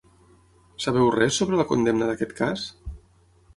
Sabeu res sobre la condemna d’aquest cas?